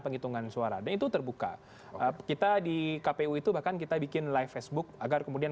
penghitungan suara dan itu terbuka kita di kpu itu bahkan kita bikin live facebook agar kemudian